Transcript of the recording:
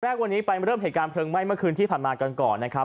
แรกวันนี้ไปเริ่มเหตุการณ์เพลิงไหม้เมื่อคืนที่ผ่านมากันก่อนนะครับ